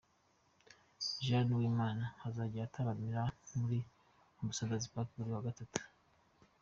Jane Uwimana azajya ataramira muri Ambassador's Park buri wa Gatatu.